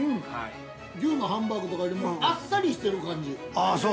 牛のハンバーグとかよりもあっさりしている感じ。